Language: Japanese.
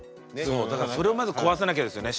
だからそれをまず壊さなきゃですよね。